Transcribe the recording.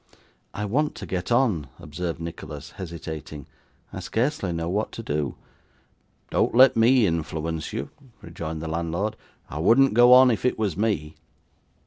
'I want to get on,' observed Nicholas, hesitating. 'I scarcely know what to do.' 'Don't let me influence you,' rejoined the landlord. 'I wouldn't go on if it was me.